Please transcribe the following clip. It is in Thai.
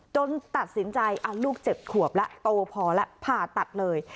ตัดสินใจลูก๗ขวบแล้วโตพอแล้วผ่าตัดเลย